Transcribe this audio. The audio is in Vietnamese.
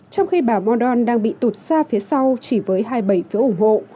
trong khi bà maldon đang bị tụt ra phía sau chỉ với hai mươi bảy phía ủng hộ